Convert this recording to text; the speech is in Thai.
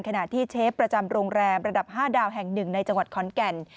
ขณะที่เชฟประจำโรงแรมระดับ๕ดาวแห่ง๑ในจังหวัดขอนแก่น